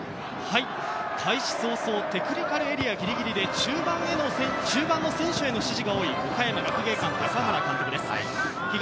開始早々、テクニカルエリアぎりぎりで、中盤の選手への指示が多い岡山学芸館の高原監督です。